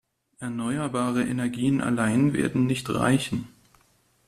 Erneuerbare Energien allein werden nicht reichen.